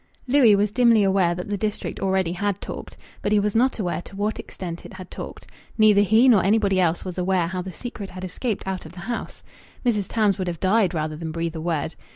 Louis was dimly aware that the district already had talked, but he was not aware to what extent it had talked. Neither he nor anybody else was aware how the secret had escaped out of the house. Mrs. Tarns would have died rather than breathe a word.